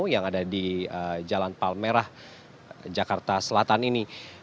yang ada di jalan palmerah jakarta selatan ini